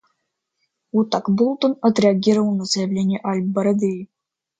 Вот так Болтон отреагировал на заявление аль-Барадеи.